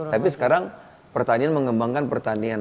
tapi sekarang pertanian mengembangkan pertanian